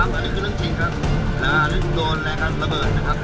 อันนี้คือเรื่องจริงครับนะฮะแล้วถึงโดนและการระเบิดนะครับ